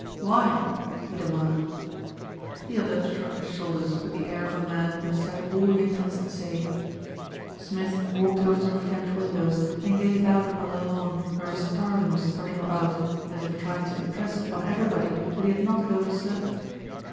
"Why?" he demanded. The other shrugged his shoulders with the air of a man who has said all he intends to say. Smith walked over to the French windows, and gazed out upon the lawn where a starling was strutting about, as if trying to impress upon everybody that he had not over slept.